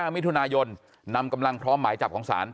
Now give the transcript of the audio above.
มิถุนายนนำกำลังพร้อมหมายจับของศาล